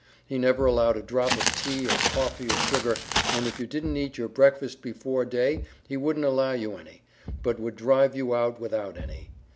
He never allowed a drop of tea, or coffee, or sugar, and if you didn't eat your breakfast before day he wouldn't allow you any, but would drive you out without any.